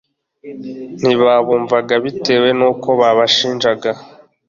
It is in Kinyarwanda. ntibabumvaga bitewe n'uko babashinjaga